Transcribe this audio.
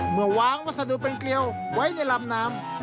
เมื่อวางวัสดุเป็นเกลียวไว้ในลำน้ำ